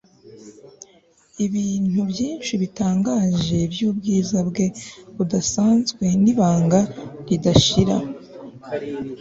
ibintu byinshi bitangaje byubwiza bwe budasanzwe nibanga ridashira